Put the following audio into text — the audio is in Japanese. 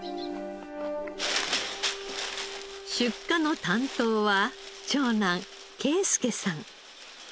出荷の担当は長男圭輔さん。